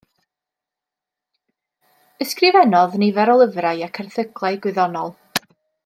Ysgrifennodd nifer o lyfrau ac erthyglau gwyddonol.